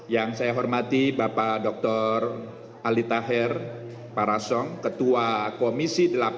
yang saya hormati bapak dr ali tahir parasong ketua komisi delapan dpr ri